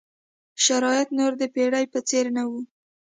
شرایط نور د پېړۍ په څېر نه وو.